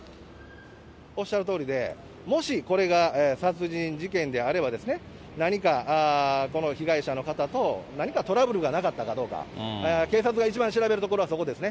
おっしゃるとおりで、もしこれが殺人事件であれば、何かこの被害者の方と、何かトラブルがなかったかどうか、警察が一番調べるところはそこですね。